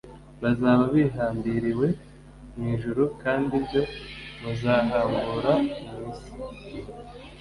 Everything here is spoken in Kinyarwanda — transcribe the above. bizaba bihambiriwe mu ijuru, kandi ibyo muzahambura mu isi